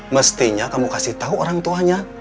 mestinya kamu kasih tahu orang tuanya